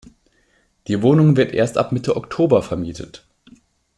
Die Wohnung wird erst ab Mitte Oktober vermietet.